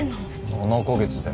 ７か月だよ。